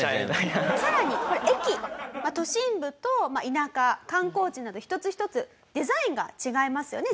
さらにこれ駅都心部と田舎観光地など一つ一つデザインが違いますよね